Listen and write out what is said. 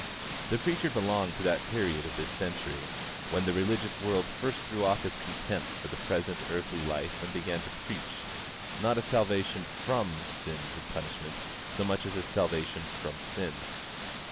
The preacher belonged to that period of this century when the religious world first threw off its contempt for the present earthly life and began to preach, not a salvation from sin's punishment so much as a salvation from sin.